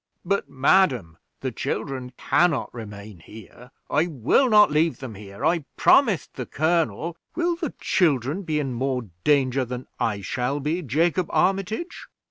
"But, madam, the children can not remain here. I will not leave them here. I promised the colonel " "Will the children be in more danger than I shall be, Jacob Armitage?"